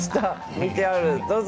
ＶＴＲどうぞ！